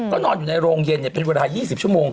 ก็นอนอยู่ในโรงเย็นเป็นเวลา๒๐ชั่วโมง